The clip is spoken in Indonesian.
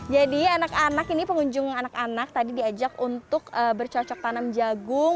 jadi anak anak ini pengunjung anak anak tadi diajak untuk bercocok tanam jagung